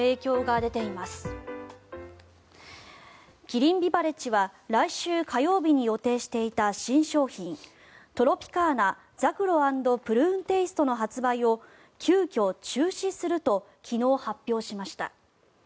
キリンビバレッジは来週火曜日に予定していた新商品トロピカーナざくろ＆プルーンテイストの発売を急きょ中止すると昨日発表しました。